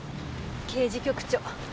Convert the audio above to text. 刑事局長。